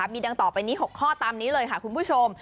มีดังต่อไปนี้๖ข้อตามนี้เลยค่ะคุณผู้ชม